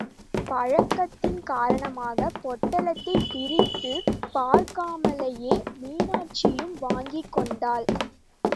பழக்கத்தின் காரணமாக, பொட்டலத்தைப் பிரித்துப் பார்க்காமலேயே மீனாட்சியும் வாங்கிக் கொண்டாள்.